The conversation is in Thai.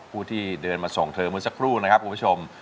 ผู้ที่เดินมาส่งเธอเมื่อสักครู่นะครับคุณผู้ชม